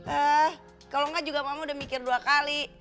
eh kalau enggak juga mama udah mikir dua kali